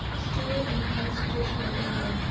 Stuart on the Constitution of England, p.